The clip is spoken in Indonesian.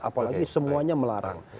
apalagi semuanya melarang